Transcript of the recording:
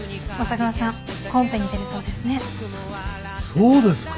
そうですか。